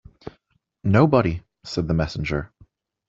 ‘Nobody,’ said the messenger.